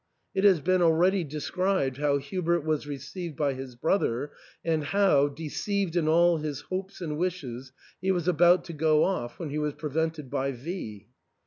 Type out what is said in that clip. It has been already described how Hubert was received by his brother, and how, deceived in all his hopes and wishes, he was about to go off when he was prevented by V